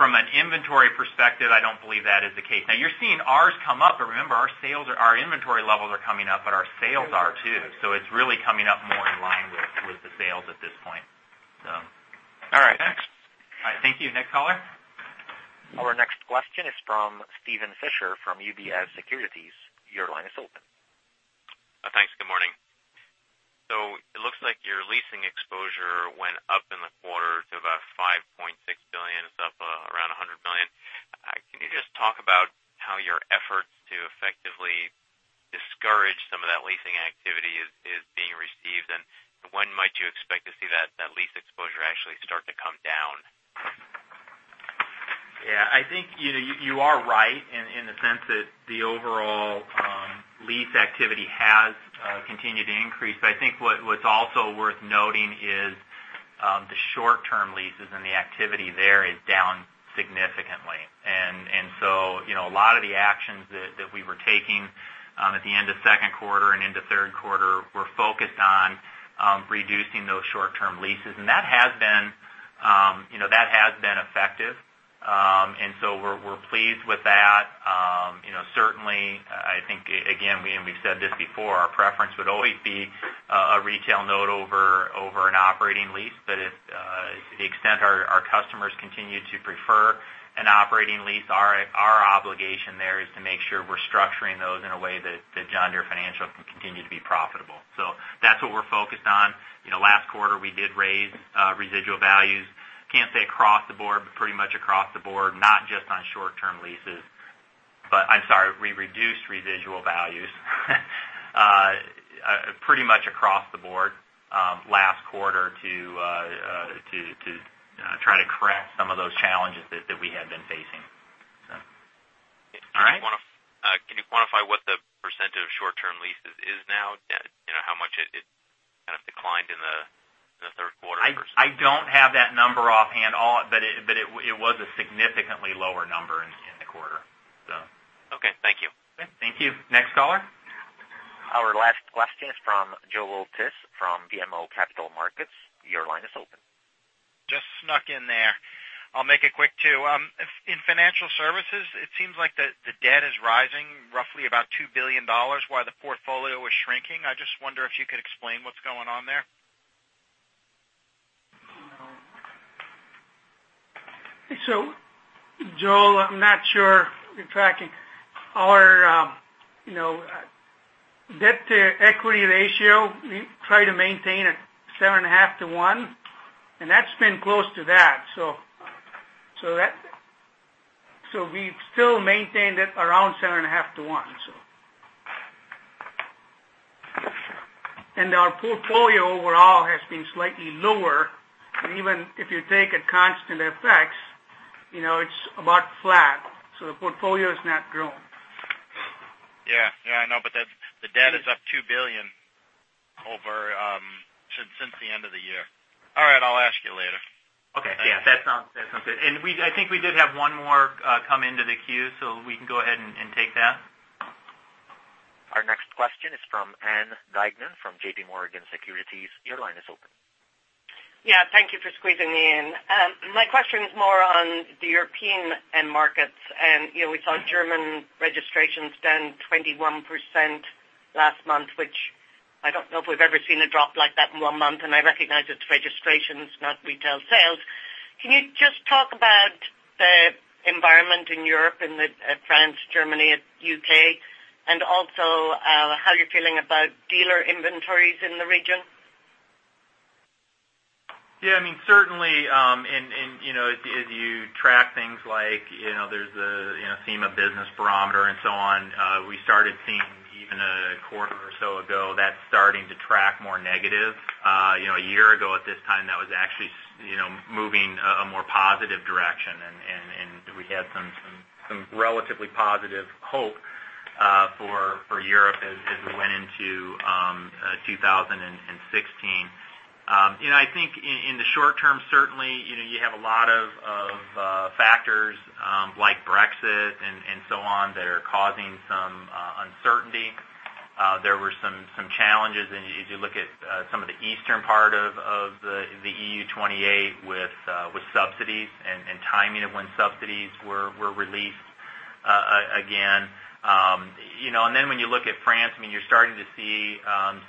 From an inventory perspective, I don't believe that is the case. You're seeing ours come up, but remember, our inventory levels are coming up, but our sales are too. It's really coming up more in line with the sales at this point. All right, thanks. All right, thank you. Next caller. Our next question is from Steven Fisher from UBS Securities. Your line is open. Thanks. Good morning. It looks like your leasing exposure went up in the quarter to about $5.6 billion. It's up around $100 million. Can you just talk about how your efforts to effectively discourage some of that leasing activity is being received, and when might you expect to see that lease exposure actually start to come down? I think you are right in the sense that the overall lease activity has continued to increase. I think what's also worth noting is the short-term leases and the activity there is down significantly. A lot of the actions that we were taking at the end of second quarter and into third quarter were focused on reducing those short-term leases, and that has been effective. We're pleased with that. Certainly, I think, again, we've said this before, our preference would always be a retail note over an operating lease. To the extent our customers continue to prefer an operating lease, our obligation there is to make sure we're structuring those in a way that John Deere Financial can continue to be profitable. That's what we're focused on. Last quarter, we did raise residual values. Can't say across the board, but pretty much across the board, not just on short-term leases. I'm sorry, we reduced residual values pretty much across the board last quarter to try to correct some of those challenges that we had been facing, so. Can you quantify what the percentage of short-term leases is now? How much it kind of declined in the third quarter versus- I don't have that number offhand. It was a significantly lower number in the quarter, so. Okay, thank you. Okay, thank you. Next caller. Our last question is from Joel Tiss from BMO Capital Markets. Your line is open. Just snuck in there. I'll make it quick too. In financial services, it seems like the debt is rising roughly about $2 billion while the portfolio is shrinking. I just wonder if you could explain what's going on there. Joel, I'm not sure you're tracking. Our debt-to-equity ratio, we try to maintain at 7.5 to 1. That's been close to that. We've still maintained it around 7.5 to 1. Our portfolio overall has been slightly lower. Even if you take a constant FX, it's about flat. The portfolio has not grown. Yeah, I know, the debt is up $2 billion since the end of the year. All right, I'll ask you later. Okay. Yeah, that sounds good. I think we did have one more come into the queue, so we can go ahead and take that. Our next question is from Ann Duignan from J.P. Morgan Securities. Your line is open. Thank you for squeezing me in. My question is more on the European end markets. We saw German registrations down 21% last month, which I don't know if we've ever seen a drop like that in one month, and I recognize it's registrations, not retail sales. Can you just talk about the environment in Europe, in France, Germany, U.K., and also how you're feeling about dealer inventories in the region? Certainly, as you track things like there's the CEMA Business Barometer and so on, we started seeing even a quarter or so ago, that starting to track more negative. A year ago at this time, that was actually moving a more positive direction, and we had some relatively positive hope for Europe as we went into 2016. I think in the short term, certainly, you have a lot of factors like Brexit and so on that are causing some uncertainty. There were some challenges, as you look at some of the eastern part of the EU28 with subsidies and timing of when subsidies were released again. When you look at France, you're starting to see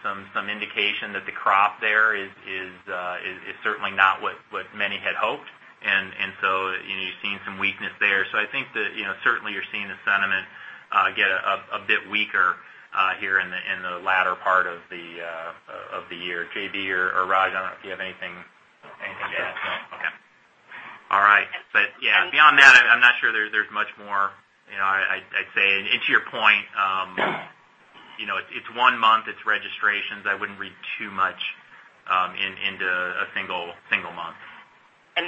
some indication that the crop there is certainly not what many had hoped. So you're seeing some weakness there. I think that certainly you're seeing the sentiment get a bit weaker here in the latter part of the year. J.B. or Raj, I don't know if you have anything to add. No. Okay. All right. Yeah, beyond that, I'm not sure there's much more. I'd say, and to your point, it's one month, it's registrations. I wouldn't read too much into a single month.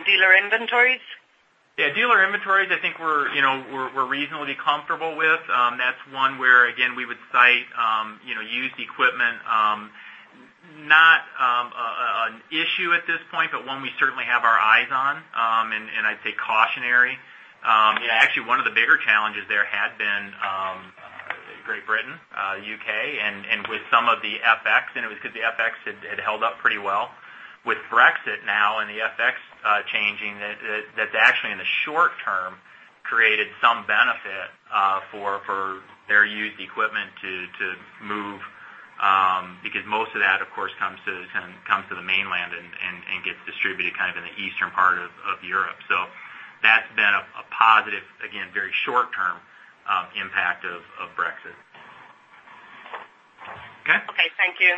Dealer inventories? Dealer inventories, I think we're reasonably comfortable with. That's one where, again, we would cite used equipment, not an issue at this point, but one we certainly have our eyes on, and I'd say cautionary. Actually, one of the bigger challenges there had been Great Britain, U.K., and with some of the FX, and it was because the FX had held up pretty well. With Brexit now and the FX changing, that's actually in the short term, created some benefit for their used equipment to move because most of that, of course, comes to the mainland and gets distributed in the eastern part of Europe. That's been a positive, again, very short term impact of Brexit. Okay? Okay. Thank you.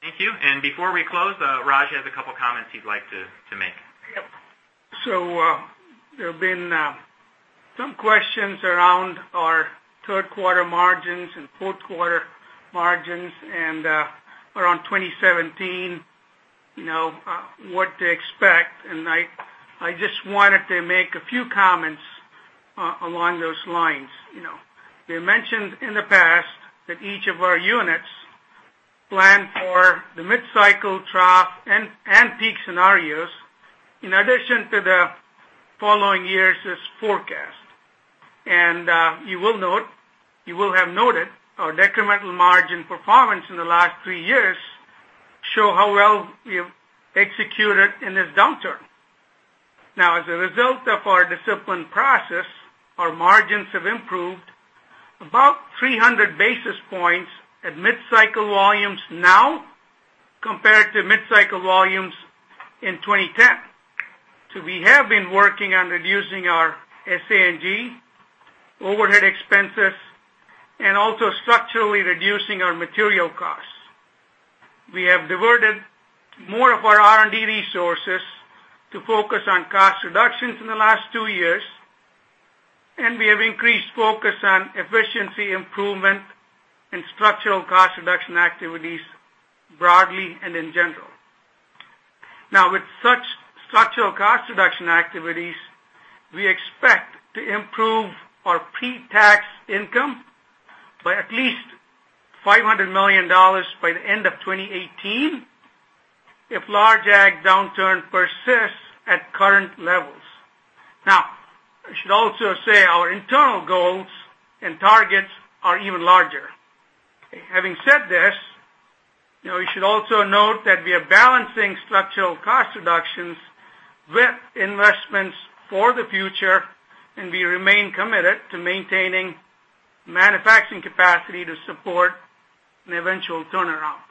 Thank you. Before we close, Raj has a couple of comments he'd like to make. Yep. There have been some questions around our third quarter margins and fourth quarter margins and around 2017, what to expect. I just wanted to make a few comments along those lines. We mentioned in the past that each of our units plan for the mid-cycle trough and peak scenarios, in addition to the following year's forecast. You will have noted our incremental margin performance in the last three years show how well we've executed in this downturn. As a result of our disciplined process, our margins have improved about 300 basis points at mid-cycle volumes now compared to mid-cycle volumes in 2010. We have been working on reducing our SA&G overhead expenses and also structurally reducing our material costs. We have diverted more of our R&D resources to focus on cost reductions in the last two years, and we have increased focus on efficiency improvement and structural cost reduction activities broadly and in general. With such structural cost reduction activities, we expect to improve our pre-tax income by at least $500 million by the end of 2018 if large ag downturn persists at current levels. I should also say our internal goals and targets are even larger. Having said this, we should also note that we are balancing structural cost reductions with investments for the future, and we remain committed to maintaining manufacturing capacity to support an eventual turnaround.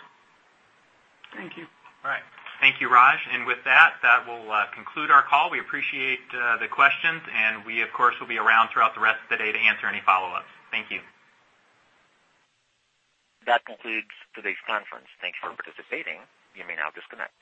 Thank you. All right. Thank you, Raj. With that will conclude our call. We appreciate the questions. We, of course, will be around throughout the rest of the day to answer any follow-ups. Thank you. That concludes today's conference. Thanks for participating. You may now disconnect.